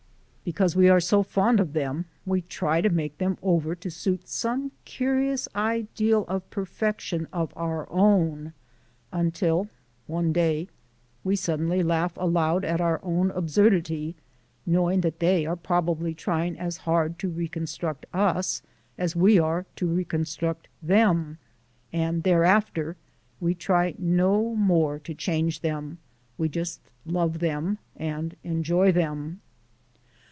Because we are so fond of them we try to make them over to suit some curious ideal of perfection of our own until one day we suddenly laugh aloud at our own absurdity (knowing that they are probably trying as hard to reconstruct us as we are to reconstruct them) and thereafter we try no more to change them, we just love 'em and enjoy 'em!